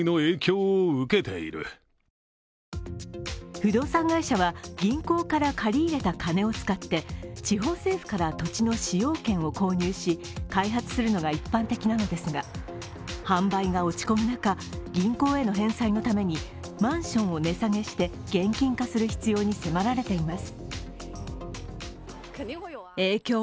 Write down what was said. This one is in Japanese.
不動産会社は銀行から借り入れた金を使って地方政府から土地の使用権を購入し、開発するのが一般的なのですが販売が落ち込む中、銀行への返済のためにマンションを値下げして現金化する必要に迫られています。